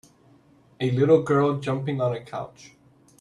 A little girl jumping on a couch.